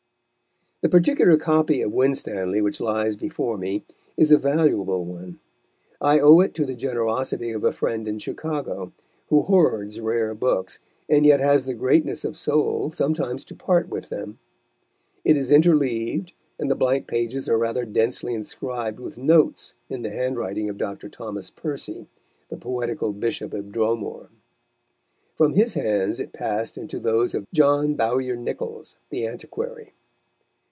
The particular copy of Winstanley which lies before me is a valuable one; I owe it to the generosity of a friend in Chicago, who hoards rare books, and yet has the greatness of soul sometimes to part with them. It is interleaved, and the blank pages are rather densely inscribed with notes in the handwriting of Dr. Thomas Percy, the poetical Bishop of Dromore. From his hands it passed into those of John Bowyer Nichols, the antiquary.